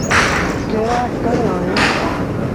ڪهڙآ ڪهڙ اوهيݩ۔